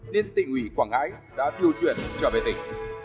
nên tỉnh ủy quảng ngãi đã điều chuyển trở về tỉnh